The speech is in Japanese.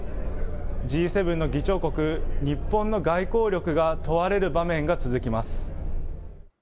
Ｇ７の議長国、日本の外交力が問われる場面が続きます。